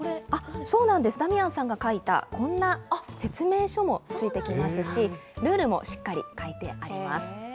そうなんです、ダミアンさんが書いたこんな説明書もついてきますし、ルールもしっかり書いてあります。